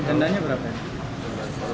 denda nya berapa ya